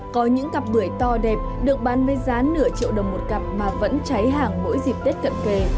có những cặp bưởi to đẹp được bán với giá nửa triệu đồng một cặp mà vẫn cháy hàng mỗi dịp tết cận kề